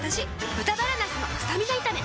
「豚バラなすのスタミナ炒め」